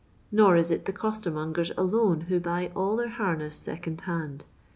Nor is it the costermongers alone who buy all their harness second hand.